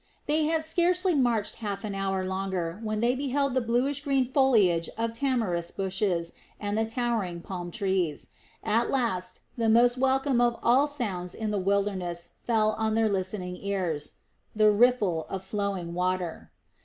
They had scarcely marched half an hour longer when they beheld the bluish green foliage of tamarisk bushes and the towering palm trees; at last, the most welcome of all sounds in the wilderness fell on their listening ears the ripple of flowing water.